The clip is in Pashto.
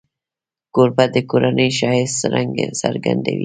کوربه د کورنۍ ښایست څرګندوي.